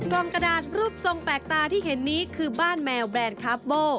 กล่องกระดาษรูปทรงแปลกตาที่เห็นนี้คือบ้านแมวแบรนด์คาร์บโบ